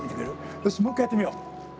よしもう一回やってみよう。